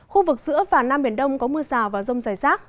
khu vực giữa và nam biển đông có mưa rào và rông rải rác